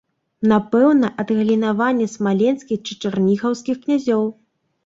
Напэўна, адгалінаванне смаленскіх ці чарнігаўскіх князёў.